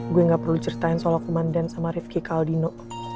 gue gak perlu ceritain soal kumanden sama rifqi ke aldino